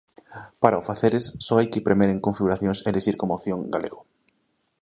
Para o faceres só hai que premer en Configuracións e elixir como opción 'Galego'.